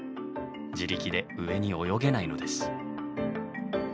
自力で上に泳げないのです。